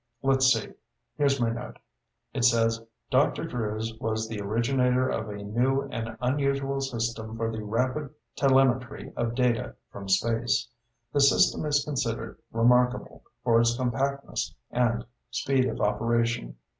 Let's see here's my note. It says, 'Dr. Drews was the originator of a new and unusual system for the rapid telemetry of data from space. The system is considered remarkable for its compactness and speed of operation.